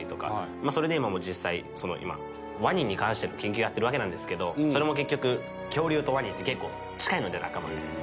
それで今も実際ワニに関しての研究をやってるわけなんですけどそれも結局恐竜とワニって結構近いので仲間で。